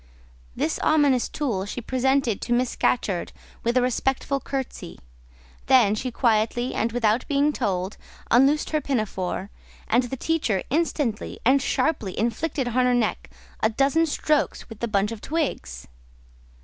This ominous tool she presented to Miss Scatcherd with a respectful curtesy; then she quietly, and without being told, unloosed her pinafore, and the teacher instantly and sharply inflicted on her neck a dozen strokes with the bunch of twigs.